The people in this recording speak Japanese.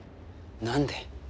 何で。